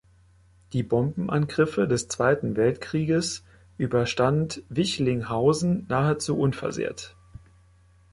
Die Bombenangriffe des Zweiten Weltkrieges überstand Wichlinghausen nahezu unversehrt.